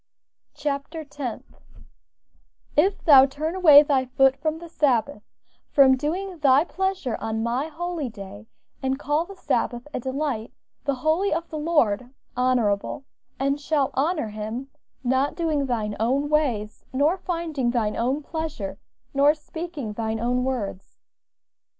CHAPTER TENTH "If thou turn away thy foot from the Sabbath, from doing thy pleasure on my holy day, and call the Sabbath a Delight, the Holy of the Lord, Honorable, and shalt honor him, not doing thine own ways, nor finding thine own pleasure, nor speaking thine own words."